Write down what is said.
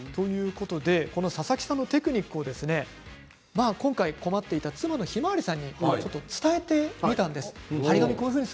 佐々木さんのテクニックを今回、困っていた妻のひまわりさんに伝えてみました。